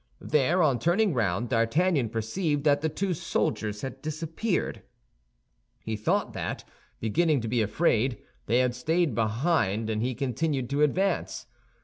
There, on turning round, D'Artagnan perceived that the two soldiers had disappeared. He thought that, beginning to be afraid, they had stayed behind, and he continued to advance.